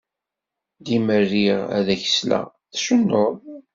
Dima riɣ ad ak-sleɣ tcennud.